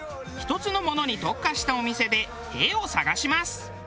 １つのものに特化したお店で「へぇ」を探します。